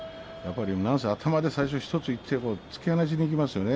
なんせ頭で最初１ついって突き放しにいきましたよね